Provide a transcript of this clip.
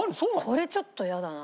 それちょっと嫌だな。